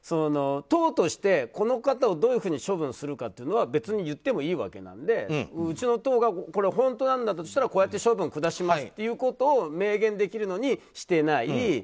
党としてこの方をどういうふうに処分するかというのは別に言ってもいいわけなのでうちの党が本当だとしたらこう処分を下しますと明言できるのにしてない。